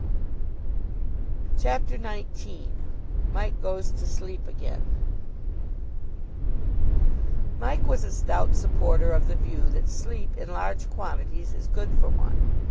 CHAPTER XIX MIKE GOES TO SLEEP AGAIN Mike was a stout supporter of the view that sleep in large quantities is good for one.